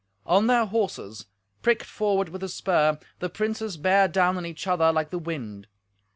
On their horses, pricked forward with the spur, the princes bare down on each other like the wind.